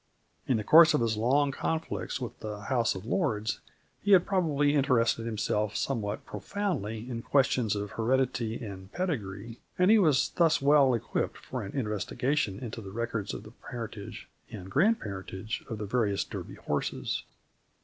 In the course of his long conflicts with the House of Lords he had probably interested himself somewhat profoundly in questions of heredity and pedigree, and he was thus well equipped for an investigation into the records of the parentage and grandparentage of the various Derby horses.